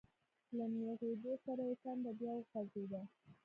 له نېغېدو سره يې کنده بيا وخوځېده.